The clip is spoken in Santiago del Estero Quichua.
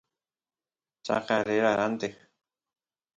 chaqa rera ranteq